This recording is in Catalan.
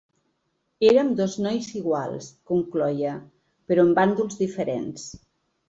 Érem dos nois iguals’, concloïa, ‘però en bàndols diferents’.